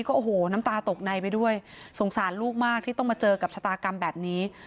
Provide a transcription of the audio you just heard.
โอ้โหน้ำตาตกในไปด้วยสงสารลูกมากที่ต้องมาเจอกับชะตากรรมแบบนี้